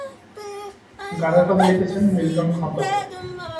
গানের কথা লিখেছেন মিল্টন খন্দকার।